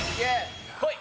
こい！